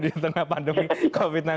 di tengah pandemi covid sembilan belas